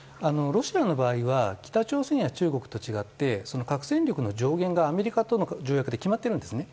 ロシアの場合は北朝鮮や中国と違って核戦力の上限がアメリカとの条約で決まっているんですね。